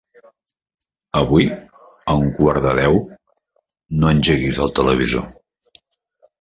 Avui a un quart de deu no engeguis el televisor.